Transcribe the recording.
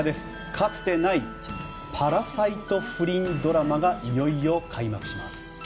かつてないパラサイト不倫ドラマがいよいよ開幕します。